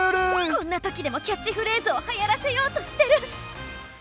こんな時でもキャッチフレーズをはやらせようとしてる！